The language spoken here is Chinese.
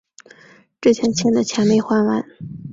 之前欠的钱还没还完